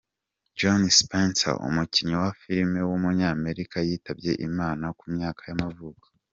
John Spencer, umukinnyi wa filime w’umunyamerika yitabye Imana ku myaka y’amavuko.